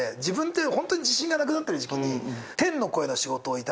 本当に自信がなくなってる時期に。